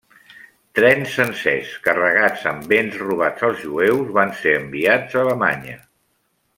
Trens sencers carregats amb béns robats als jueus van ser enviats a Alemanya.